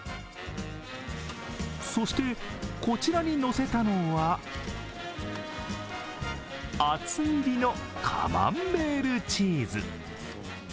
そして、こちらに乗せたのは厚切りのカマンベールチーズ。